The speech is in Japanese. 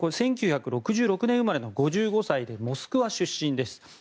１９６６年生まれの５５歳でモスクワ出身です。